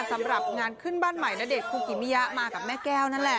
สำหรับงานขึ้นบ้านใหม่ณเดชนคุกิมิยะมากับแม่แก้วนั่นแหละ